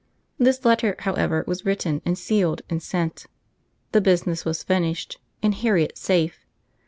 This letter, however, was written, and sealed, and sent. The business was finished, and Harriet safe.